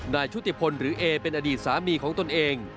ชุติพลหรือเอเป็นอดีตสามีของตนเอง